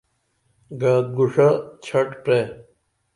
گعہ گݜہ چھٹ پرے۔